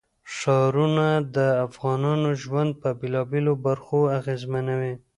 ښارونه د افغانانو ژوند په بېلابېلو برخو اغېزمنوي.